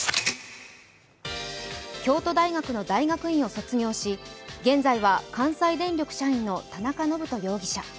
京都大学の大学院を卒業し現在は、関西電力社員の田中信人容疑者。